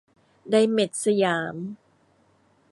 ไดเมท สยาม